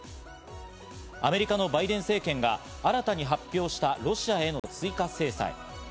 アメリカのバイデン政権が新たに発表したロシアへの追加制裁。